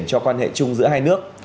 cho quan hệ chung giữa hai nước